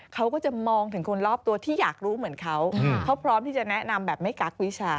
เขาก็จะมองถึงคนรอบตัวที่อยากรู้เหมือนเขาเขาพร้อมที่จะแนะนำแบบไม่กักวิชา